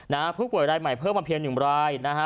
นะฮะผู้ป่วยรายใหม่เพิ่มมาเพียบ๑รายนะคะ